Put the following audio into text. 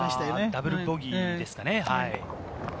ダブルボギーですかね。